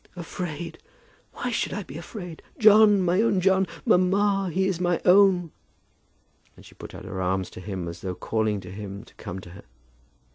"Afraid! Why should I be afraid? John! My own John! Mamma, he is my own." And she put out her arms to him, as though calling to him to come to her.